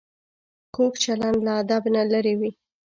کوږ چلند له ادب نه لرې وي